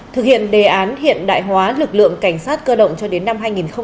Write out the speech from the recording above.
thực hiện đề án hiện đại hóa lực lượng cảnh sát cơ động cho đến năm hai nghìn ba mươi